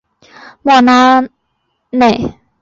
莫拉内。